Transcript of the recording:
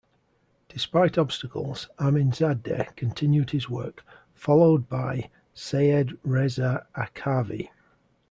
Despite obstacles, Aminzadeh continued his work, followed by Seyed Reza Akhavi.